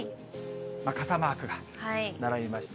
傘マークが並びました。